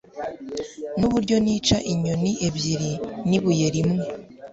Nuburyo nica inyoni ebyiri nibuye rimwe